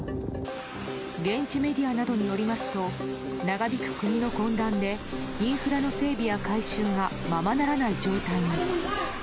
現地メディアなどによりますと長引く国の混乱でインフラの整備や改修がままならない状態に。